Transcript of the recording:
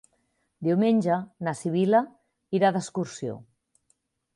Diumenge na Sibil·la irà d'excursió.